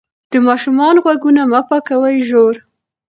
د ماشوم غوږونه مه پاکوئ ژور.